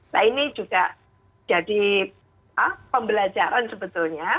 nah ini juga jadi pembelajaran sebetulnya